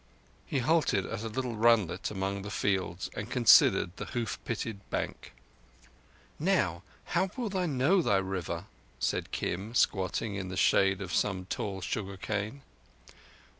He halted at a little runlet among the fields, and considered the hoof pitted bank. "Now, how wilt thou know thy River?" said Kim, squatting in the shade of some tall sugar cane.